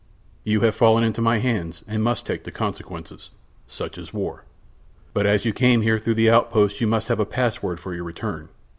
You have fallen into my hands, and must take the consequences. Such is war. "But as you came here through the outposts you must have a password for your return.